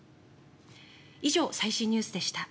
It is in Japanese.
以上、最新ニュースでした。